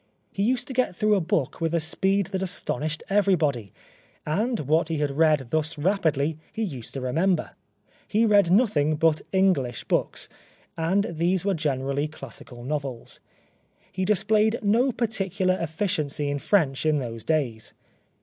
He used to get through a book with a speed that astonished everybody; and what he had read thus rapidly, he used to remember. He read nothing but Enghsh books, and these no The Life of Oscar Wilde were generally classical novels. He displayed no particular efficiency in French in those days.